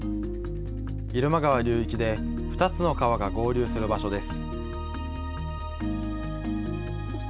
入間川流域で２つの川が合流する場所です。